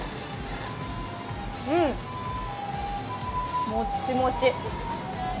うん、もっちもち。